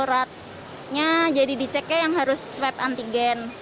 suratnya jadi diceknya yang harus swab antigen